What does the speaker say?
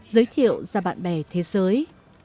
giới thiệu ra bạn bè thế giới